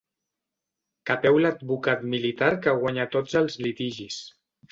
Capeu l'advocat militar que guanya tots els litigis.